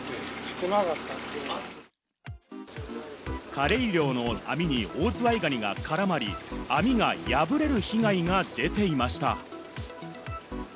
カレイ漁の網にオオズワイガニが絡まり、網が破れる被害が出ていました。